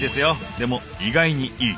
でも意外にいい！